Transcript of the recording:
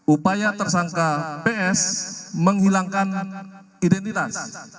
upaya tersangka ps menghilangkan identitas